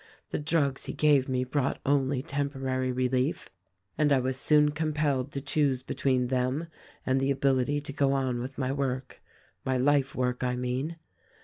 The drugs he gave me brought only temporary relief and I was soon compelled to choose between them and the ability to go on with my work — my life work, I mean.